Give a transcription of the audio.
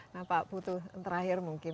nah pak butuh terakhir mungkin